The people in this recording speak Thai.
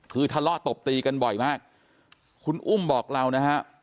คือทะเลาะตบตีกันบ่อยมากคุณอุ้มบอกเรานะฮะ